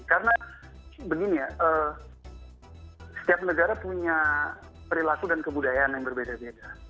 karena begini ya setiap negara punya perilaku dan kebudayaan yang berbeda beda